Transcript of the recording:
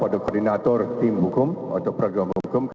pada koordinator tim hukum atau pragama hukum